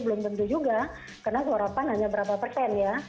belum tentu juga karena suara pan hanya berapa persen ya